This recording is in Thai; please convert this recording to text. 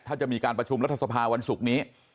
ถ้าจะมีการประชุมรัฐสภาวันศุกร์นี้